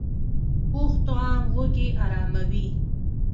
پوخ طعام وږې اراموي